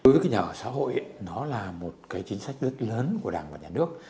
với nhà ở xã hội nó là một cái chính sách lớn lớn của đảng và nhà nước